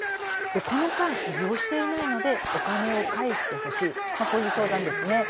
この間、利用していないのでお金を返してほしいという相談です。